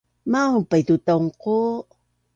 Maun paitutaungqu